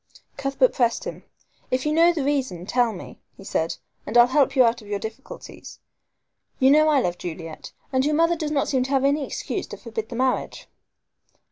Cuthbert pressed him. "If you know the reason, tell me," he said, "and I'll help you out of your difficulties. You know I love Juliet, and your mother does not seem to have any excuse to forbid the marriage."